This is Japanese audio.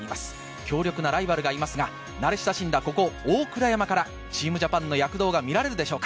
強力なライバルがいますが、慣れ親しんだ大倉山から、チームジャパンの躍動が見られるでしょうか。